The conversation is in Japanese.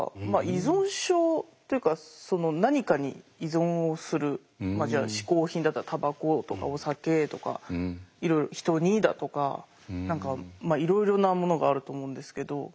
依存症というかその何かに依存をするまあじゃあ嗜好品だったらたばことかお酒とかいろいろ人にだとか何かいろいろなものがあると思うんですけど。